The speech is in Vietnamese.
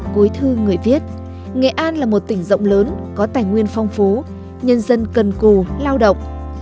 cuối thư người viết nghệ an là một tỉnh rộng lớn có tài nguyên phong phú nhân dân cần cù lao động